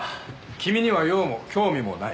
君には用も興味もない。